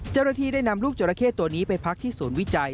เจ้าหน้าที่ได้นำลูกจราเข้ตัวนี้ไปพักที่ศูนย์วิจัย